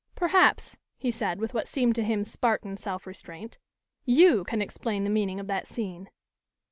"Perhaps," he said, with what seemed to him Spartan self restraint, "you can explain the meaning of that scene."